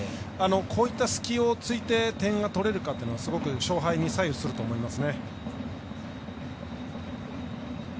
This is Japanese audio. こういった隙を突いて点が取れるかというのはすごく勝敗に左右すると思います。